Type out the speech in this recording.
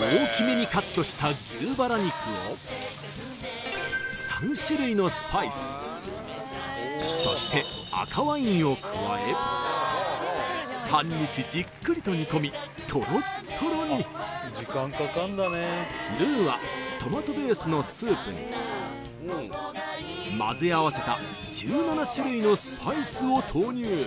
大きめにカットした牛バラ肉を３種類のスパイスそして赤ワインを加え半日じっくりと煮込みトロットロにルーはトマトベースのスープに混ぜ合わせた１７種類のスパイスを投入